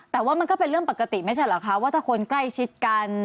แต่ว่ามันก็เป็นเรื่องปกติไม่ใช่เหรอคะว่าถ้าคนใกล้ชิดกัน